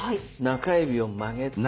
中指を曲げて。